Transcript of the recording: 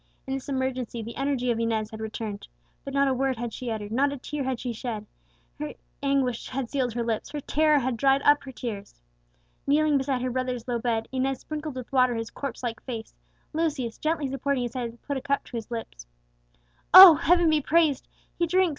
In this emergency the energy of Inez had returned. But not a word had she uttered, not a tear had she shed; her anguish had sealed her lips, her terror had dried up her tears. Kneeling beside her brother's low bed, Inez sprinkled with water his corpse like face; Lucius, gently supporting his head, put a cup to his lips. "Oh, Heaven be praised! he drinks!